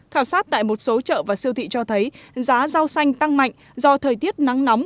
khảo sát tại một số chợ và siêu thị cho thấy giá rau xanh tăng mạnh do thời tiết nắng nóng